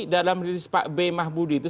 dalam rilis pak b mahbudi itu